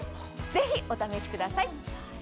ぜひお試しください。